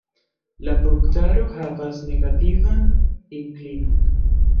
La punktaro havas negativan inklinon.